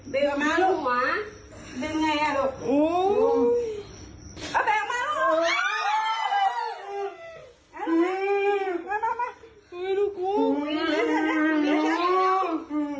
อ๋อเบนออกมาละ